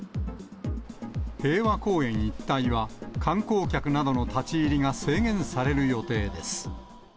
平和公園一帯は、観光客などの立ち入りが制限される予定です。